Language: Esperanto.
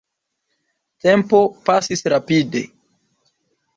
Tempo pasis rapide.